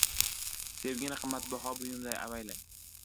Sevgini qimmatbaho buyumday avaylang.